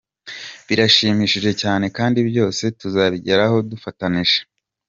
Birashimishije cyane kandi byose tuzabigeraho dufatanyije.